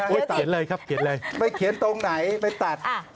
เขียนเลยครับเขียนเลยไม่เขียนตรงไหนไม่ตัด